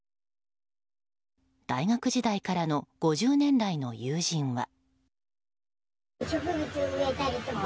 大学時代からの５０年来の友人は。